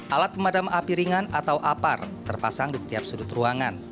alat pemadam api ringan atau apar terpasang di setiap sudut ruangan